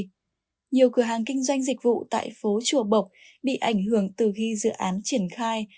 nhiều cửa hàng kinh doanh dịch vụ tại phố chùa bộc bị ảnh hưởng từ khi dự án triển khai